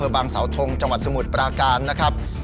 บาลส่วนสมุดปราการนะครับ